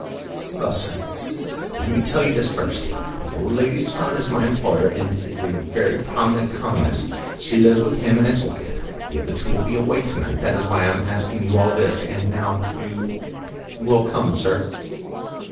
"Well, sir, let me tell you this first. This old lady's son is my employer, and a very prominent Communist. She lives with him and his wife. The other two will be away to night. That is why I am asking you all this. And now, you will come, sir?"